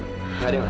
gak ada yang lain